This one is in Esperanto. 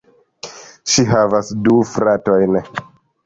Ŝi havas du fratojn.